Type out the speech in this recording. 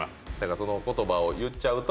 その言葉を言っちゃうと。